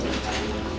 ya siap om